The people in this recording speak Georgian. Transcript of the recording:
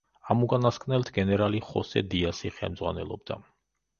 ამ უკანასკნელთ გენერალი ხოსე დიასი ხელმძღვანელობდა.